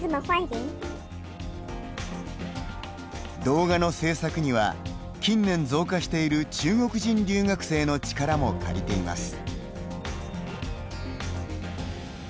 動画の制作には近年、増加している中国人留学生の力も借りています。